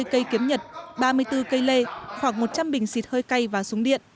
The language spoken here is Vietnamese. hai mươi cây kiếm nhật ba mươi bốn cây lê khoảng một trăm linh bình xịt hơi cay và súng điện